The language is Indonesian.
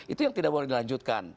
itu yang tidak boleh dilanjutkan